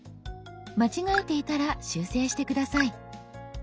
間違えていたら修正して下さい。